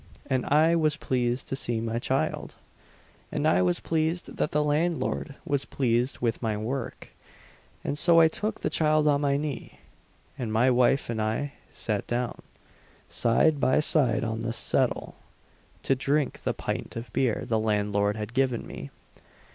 and I was pleased to see my child, and I was pleased that the landlord was pleased with my work; and so I took the child on my knee, and my wife and I sat down, side by side on the settle, to drink the pint of beer the landlord had given me.